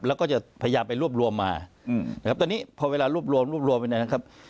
แล้วก็จะพยายามไปรวบรวมมานะครับตอนนี้พอเวลารวบรวมรวบรวมไปเนี่ยนะครับ